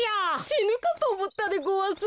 しぬかとおもったでごわす。